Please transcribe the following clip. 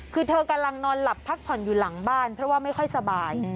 คือเธอกำลังนอนหลับพักผ่อนอยู่หลังบ้านเพราะว่าไม่ค่อยสบาย